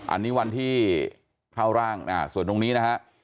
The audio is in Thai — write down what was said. อันนี้วันที่เข้าร่างส่วนตรงนี้นะฮะ